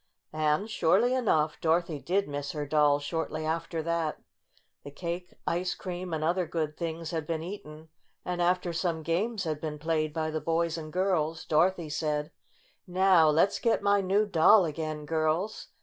And, surely enough, Dorothy did miss her doll shortly after that. The cake, ice cream, and other good things had been eaten, and after some games had been played by the boys and girls, Dorothy said : "Now let's get my new doll again, girls